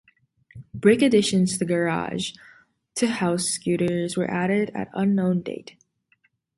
Brick additions to garage to house scooters were added at an unknown date.